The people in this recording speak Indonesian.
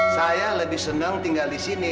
saya lebih senang tinggal di sini